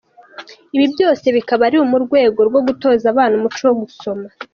Ibi byose bikaba ari mu rwego rwo gutoza abana umuco wo gusoma.